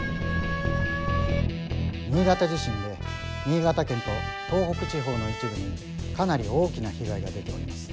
新潟地震で新潟県と東北地方の一部にかなり大きな被害が出ております。